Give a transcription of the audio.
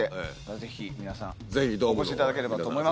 ぜひ皆さんお越しいただければと思います。